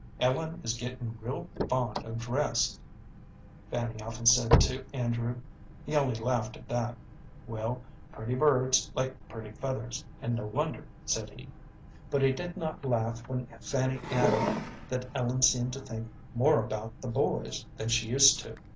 "Ellen is getting real fond of dress," Fanny often said to Andrew. He only laughed at that. "Well, pretty birds like pretty feathers, and no wonder," said he. But he did not laugh when Fanny added that Ellen seemed to think more about the boys than she used to.